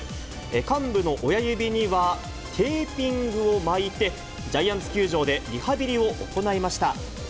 患部の親指には、テーピングを巻いて、ジャイアンツ球場でリハビリを行いました。